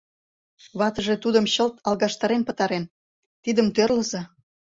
Ватыже тудым чылт алгаштарен пытарен... тидым тӧрлыза...